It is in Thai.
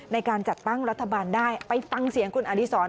ในการจัดตั้งรัฐบาลได้ไปฟังเสียงคุณอดีศร